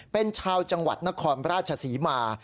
เป็นชาวจังหวัดนครราชศรีมา